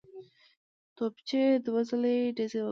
توپچي دوه ځلي ډزې وکړې.